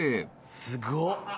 すごっ。